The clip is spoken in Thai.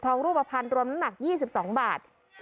อัศวินธรรมชาติ